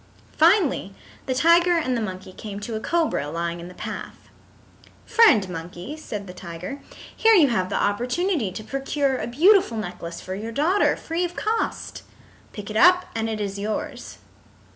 Finally the tiger and the monkey came to a cobra lying in the path. "Friend Monkey," said the tiger, "here you have the opportunity to procure a beautiful necklace for your daughter, free of cost. Pick it up and it is yours."